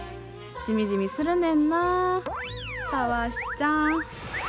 しみじみするねんなタワシちゃん。